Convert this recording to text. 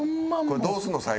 これどうすんの？